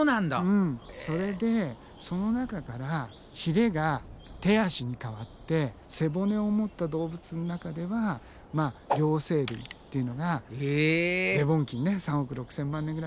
うんそれでその中からヒレが手足に変わって背骨を持った動物の中では両生類っていうのがデボン紀にね３億６，０００万年ぐらい前に。